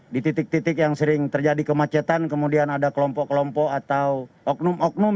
di titik titik yang sering terjadi kemacetan kemudian ada kelompok kelompok atau oknum oknum